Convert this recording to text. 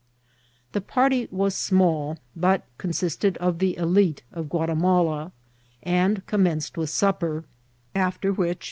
The party was small, but consisted of the 6lite of Guatimala, and commenced with sijqpperi after which Vol.